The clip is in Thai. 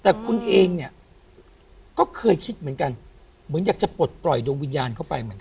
แต่คุณเองเนี่ยก็เคยคิดเหมือนกันเหมือนอยากจะปลดปล่อยดวงวิญญาณเข้าไปเหมือนกัน